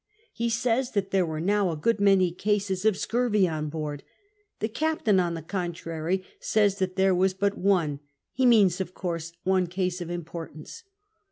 He says that there were now a good many cases of scurvy on board. The captain, on the contrary, says that there was but one — ho means, of course, one case of imiK>rtanco.